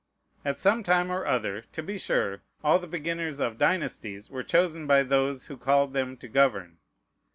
At some time or other, to be sure, all the beginners of dynasties were chosen by those who called them to govern.